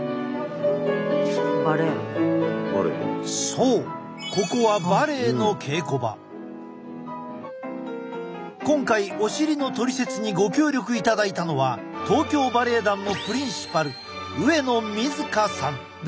そうここは今回お尻のトリセツにご協力いただいたのは東京バレエ団のプリンシパル上野水香さん。